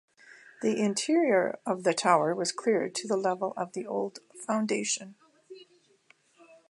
The interior of the tower was cleared to the level of the old foundation.